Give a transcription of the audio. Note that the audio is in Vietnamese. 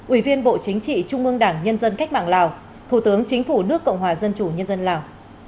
ủy viên bộ chính trị trung ương đảng nhân dân cách mạng lào thủ tướng chính phủ nước cộng hòa dân chủ nhân dân lào